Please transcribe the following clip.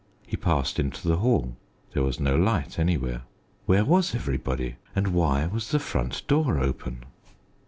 He passed into the hall. There was no light anywhere. Where was everybody, and why was the front door open?